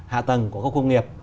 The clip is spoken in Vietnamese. hạ tầng của các công nghiệp